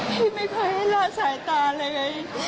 พี่ไม่เคยให้รอดสายตาเลย